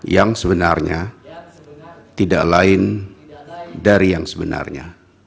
yang sebenarnya tidak lain dari yang sebenarnya